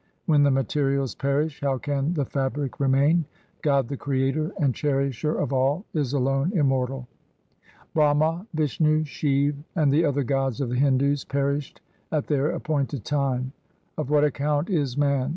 When the materials perish, how can the fabric remain ? God the Creator and Cherisher of all is alone immortal. Brahma, Vishnu, Shiv, and the other gods of the Hindus perished at their appointed time. Of what account is man